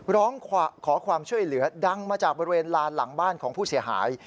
ร้องขอความช่วยเหลือดังมาจากบริเวณลานหลังบ้านของผู้เสียหาย